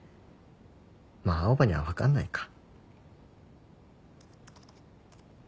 まあ青羽には分かんないか。